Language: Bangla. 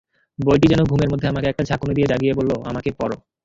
বইটি যেন ঘুমের মধ্যে আমাকে একটা ঝাঁকুনি দিয়ে জাগিয়ে বলল, আমাকে পড়ো।